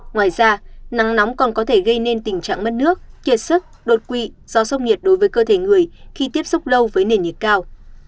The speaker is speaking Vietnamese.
ngoài ra nắng nóng còn có thể gây nên tình trạng mất nước kiệt sức đột quỵ do sốc nhiệt đối với cơ thể người khi tiếp xúc lâu với nền nhiệt cao